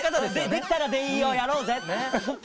「できたらでいいよやろうぜ！」。